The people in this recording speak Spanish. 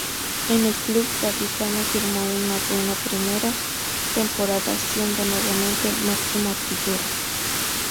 En el club gaditano firmó una buena primera temporada siendo, nuevamente, máximo artillero.